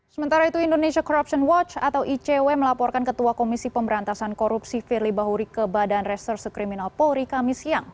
sementara itu indonesia corruption watch atau icw melaporkan ketua komisi pemberantasan korupsi firly bahuri ke badan reserse kriminal polri kami siang